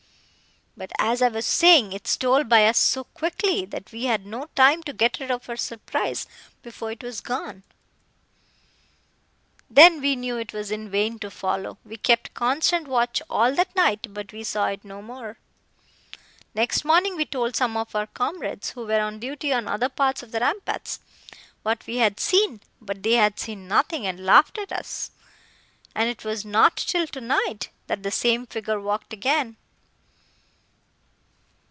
But, as I was saying, it stole by us so quickly, that we had not time to get rid of our surprise, before it was gone. Then, we knew it was in vain to follow. We kept constant watch all that night, but we saw it no more. Next morning, we told some of our comrades, who were on duty on other parts of the ramparts, what we had seen; but they had seen nothing, and laughed at us, and it was not till tonight, that the same figure walked again."